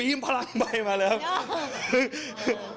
ปี๊มพลังใบมาเลยครับ